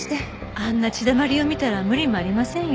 あんな血だまりを見たら無理もありませんよ。